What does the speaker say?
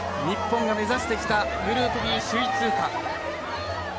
日本が目指してきたグループＢ首位通過。